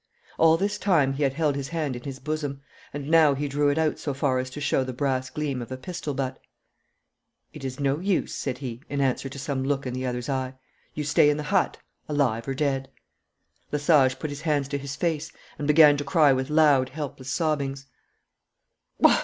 All this time he had held his hand in his bosom, and now he drew it out so far as to show the brass gleam of a pistol butt. 'It is no use,' said he, in answer to some look in the other's eye. 'You stay in the hut, alive or dead.' Lesage put his hands to his face and began to cry with loud, helpless sobbings.